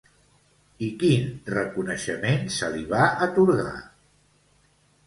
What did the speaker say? I quin reconeixement se li va atorgar?